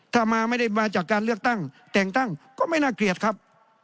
ถ้ามาไม่ได้มาจากการเลือกตั้งแต่งตั้งก็ไม่น่าเกลียดครับ